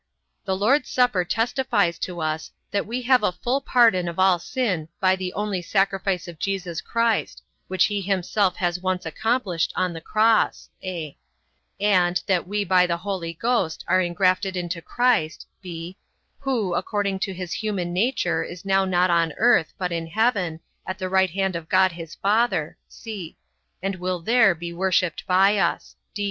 The Lord's supper testifies to us, that we have a full pardon of all sin by the only sacrifice of Jesus Christ, which he himself has once accomplished on the cross; (a) and, that we by the Holy Ghost are ingrafted into Christ, (b) who, according to his human nature is now not on earth, but in heaven, at the right hand of God his Father, (c) and will there be worshipped by us.